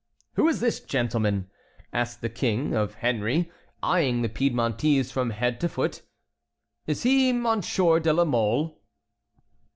"Who is this gentleman?" asked the King of Henry, eyeing the Piedmontese from head to foot. "Is he Monsieur de la Mole?"